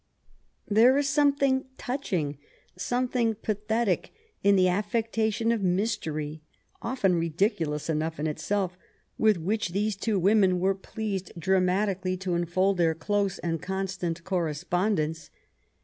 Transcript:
There is something touching, some thing pathetic, in the affectation of mystery, often ri diculous enough in itself, with which these two women were pleased dramatically to enfold their close and con stant correspondence.